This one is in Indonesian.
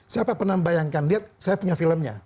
siapa pernah membayangkan lihat saya punya filmnya